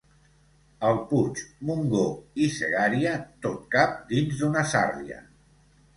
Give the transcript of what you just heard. El Puig, Montgó i Segària, tot cap dins d'una sàrria.